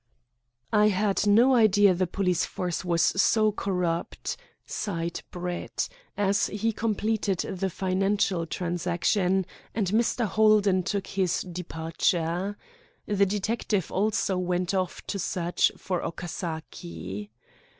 "I had no idea the police force was so corrupt," sighed Brett, as he completed the financial transaction, and Mr. Holden took his departure. The detective also went off to search for Okasaki.